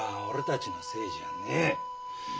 俺たちのせいじゃねえ。